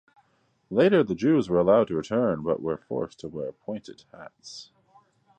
Later, the Jews were allowed to return but were forced to wear pointed hats.